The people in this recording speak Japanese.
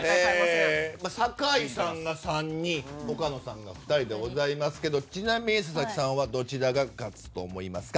酒井さんが３人岡野さんが２人でございますけどちなみに佐々木さんはどちらが勝つと思いますか？